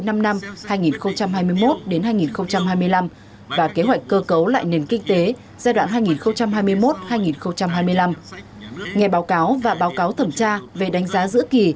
năm năm hai nghìn hai mươi một hai nghìn hai mươi năm và kế hoạch cơ cấu lại nền kinh tế giai đoạn hai nghìn hai mươi một hai nghìn hai mươi năm nghe báo cáo và báo cáo thẩm tra về đánh giá giữa kỳ